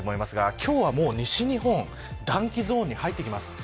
今日は西日本暖気ゾーンに入ります。